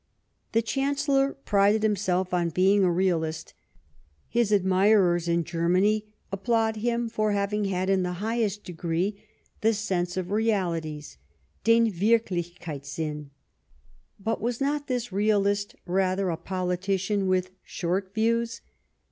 The Chancellor prided himself on being a realist ; his admirers in Germany applaud him for having had, in the highest degree, the sense of realities {den Wirklichkeitssinn). But was not this realist rather a politician with short views